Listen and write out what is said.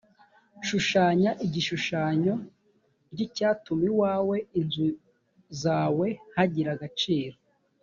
shushanya ishusho ry’icyatumaga iwawe, inzu zawe hagira agaciro